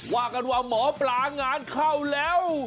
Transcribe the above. ว่ากันว่าหมอปลางานเข้าแล้ว